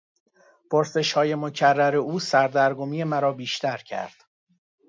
پرسشهای مکرر او سردرگمی مرا بیشتر کرد.